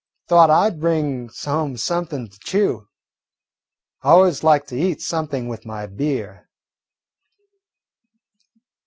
"Thought I 'd bring home something to chew. I always like to eat something with my beer."